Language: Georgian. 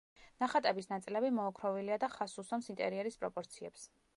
ნახატების ნაწილები მოოქროვილია და ხაზს უსვამს ინტერიერის პროპორციებს.